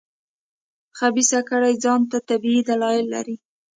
خبیثه کړۍ ځان ته طبیعي دلایل لري.